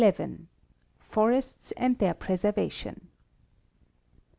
Lowell. I05 Forests and Their Preservation.